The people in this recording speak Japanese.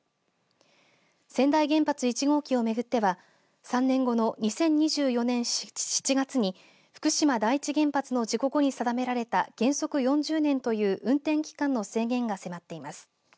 川内原発１号機を巡っては３年後の２０２４年７月に福島第一原発の事故後に定められた原則４０年という運転期間の制限が迫っています。